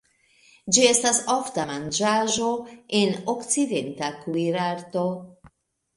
Ĝi estas ofta manĝaĵo en okcidenta kuirarto.